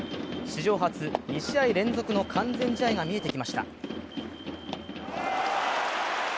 史上初２試合連続の完全試合が見えてきました。